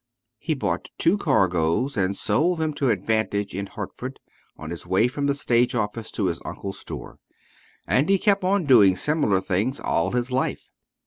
He bought two cargoes, and sold them to advantage in Hartford on his way from the stage office to his uncle's store, and he kept on doing similar things all his life.